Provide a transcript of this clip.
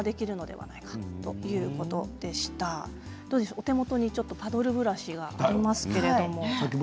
お手元にパドルブラシがありますけれど。